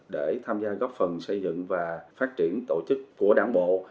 để tham gia góp phần xây dựng và phát triển tổ chức của đảng bộ